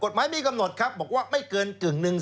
กฎหมายมีกำหนดครับบอกว่าไม่เกินกึ่งหนึ่ง